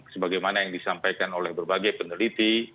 sebagaimana yang disampaikan oleh berbagai peneliti